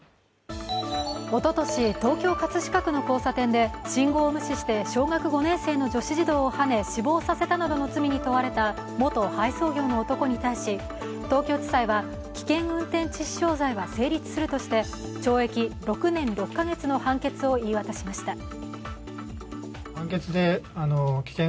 おととし、東京・葛飾区の交差点で信号を無視して小学５年生の女子児童をはね死亡させたなどの罪に問われた元配送業の男に対し東京地裁は危険運転致死傷罪は成立するとして懲役６年６カ月の判決を言い渡しました。